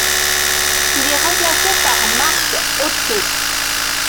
Il est remplacé par Marc Otte.